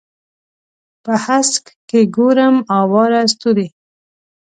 په هسک کې ګورم اواره ستوري